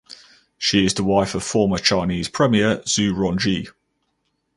She is the wife of former Chinese Premier Zhu Rongji.